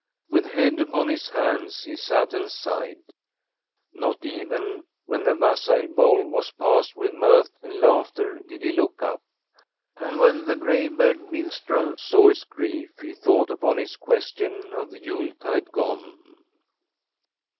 With head upon his hands, he sat and sighed. Not even when the wassail bowl was passed with mirth and laughter did he look up. And when the graybeard minstrel saw his grief, he thought upon his question of the Yule tide gone.